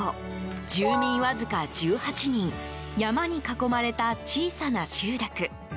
住民わずか１８人山に囲まれた小さな集落。